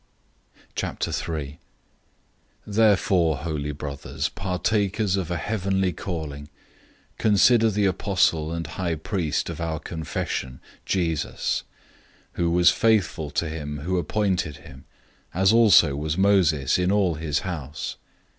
003:001 Therefore, holy brothers, partakers of a heavenly calling, consider the Apostle and High Priest of our confession, Jesus; 003:002 who was faithful to him who appointed him, as also was Moses in all his house.